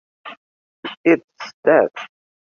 it’s that...